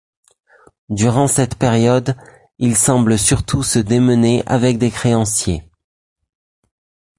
Durant cette période, il semble surtout se démener avec des créanciers.